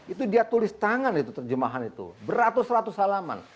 itu dia tulis tangan itu terjemahan itu beratus ratus halaman